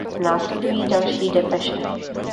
Následují další depeše.